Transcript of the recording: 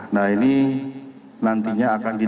nah ini nantinya akan di